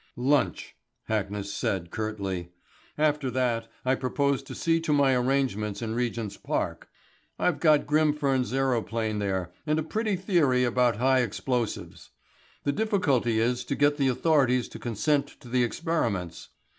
"Lunch," Hackness said curtly. "After that I propose to see to my arrangements in Regent's Park. I've got Grimfern's aeroplane there, and a pretty theory about high explosives. The difficulty is to get the authorities to consent to the experiments.